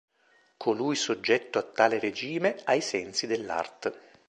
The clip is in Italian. Colui soggetto a tale regime, ai sensi dell'art.